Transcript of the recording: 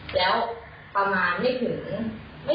แต่ว่าอยู่ข้างกรูปผู้ชั้นเหมือนนี่